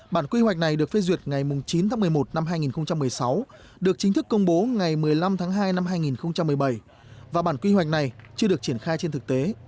bản quy hoạch này được phê duyệt ngày chín tháng một mươi một năm hai nghìn một mươi sáu được chính thức công bố ngày một mươi năm tháng hai năm hai nghìn một mươi bảy và bản quy hoạch này chưa được triển khai trên thực tế